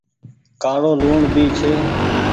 ڪآڙو لوڻ ڀي ڇي۔